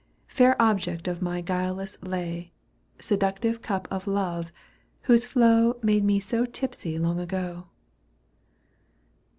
Fair object of my guileless lay. Seductive cup of love, whose flow Made me so tipsy long ago